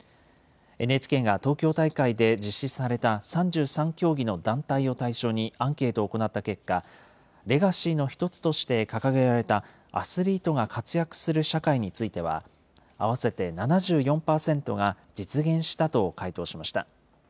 ＮＨＫが東京大会で実施された３３競技の団体を対象にアンケートを行った結果、レガシーの一つとして掲げられたアスリートが活躍する社会については、合わせて７４％が実現したと回答しました。